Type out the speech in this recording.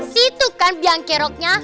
situ kan biang keroknya